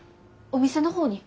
お店の方に。